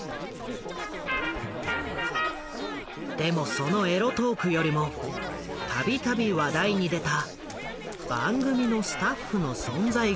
でもそのエロトークよりも度々話題に出た番組のスタッフの存在が気になった。